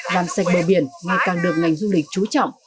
làm sạch bờ biển ngày càng được ngành du lịch trú trọng